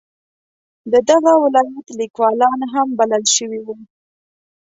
د دغه ولایت لیکوالان هم بلل شوي وو.